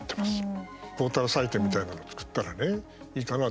ポータルサイトみたいなの作ったら、いいかな。